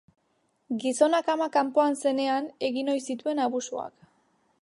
Gizonak ama kanpoan zenean egin ohi zituen abusuak.